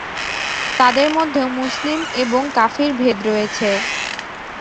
তাদের মধ্যেও মুসলিম এবং কাফির ভেদ রয়েছে।